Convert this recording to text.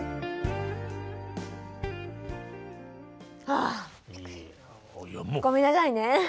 あごめんなさいね。